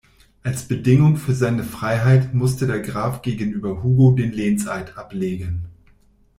Als Bedingung für seine Freiheit musste der Graf gegenüber Hugo den Lehnseid ablegen.